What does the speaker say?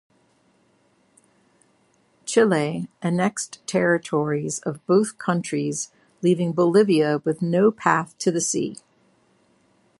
Chile annexed territories of both countries leaving Bolivia with no path to the sea.